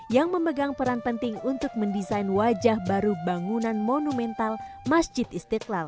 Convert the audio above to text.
yang memegang peran penting untuk mendesain wajah baru bangunan monumental masjid istiqlal